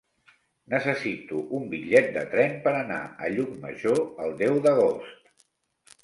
Necessito un bitllet de tren per anar a Llucmajor el deu d'agost.